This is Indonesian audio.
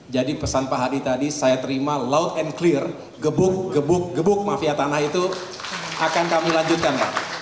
jadi pesan pak hadi tadi saya terima loud and clear gebuk gebuk gebuk mafia tanah itu akan kami lanjutkan